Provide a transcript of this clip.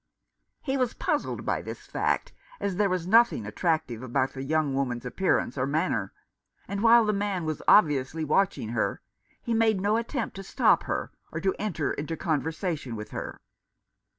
He was puzzled by this fact, as there was nothing attractive about the young woman's appearance or manner ; and, while the man was obviously watching her, he made no attempt to stop her or to enter into conversation with her.